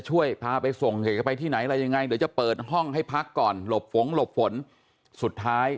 ช่วยพาไปส่งเหตุจะไปที่ไหนอะไรยังไงเดี๋ยวจะเปิดห้องให้พักก่อนหลบฝงหลบฝนสุดท้าย